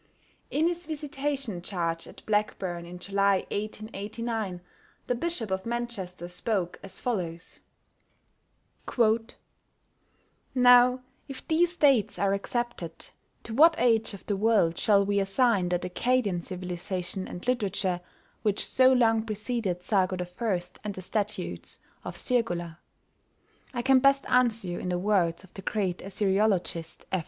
In his visitation charge at Blackburn, in July, 1889, the Bishop of Manchester spoke as follows: Now, if these dates are accepted, to what age of the world shall we assign that Accadian civilisation and literature which so long preceded Sargo I. and the statutes of Sirgullah? I can best answer you in the words of the great Assyriologist, F.